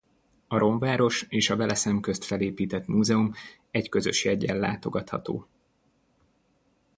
A romváros és a vele szemközt felépített múzeum egy közös jeggyel látogatható.